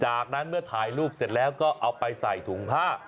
จากนั้นเมื่อถ่ายรูปเสร็จแล้วก็เอาไปใส่ถุงผ้า